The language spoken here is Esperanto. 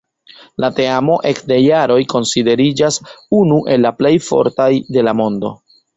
La teamo ekde jaroj konsideriĝas unu el la plej fortaj de la mondo.